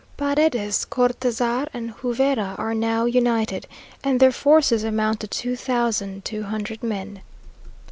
Paredes, Cortazar, and Juvera are now united, and their forces amount to two thousand two hundred men.